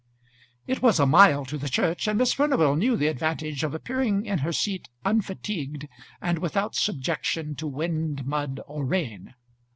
It was a mile to the church, and Miss Furnival knew the advantage of appearing in her seat unfatigued and without subjection to wind, mud, or rain.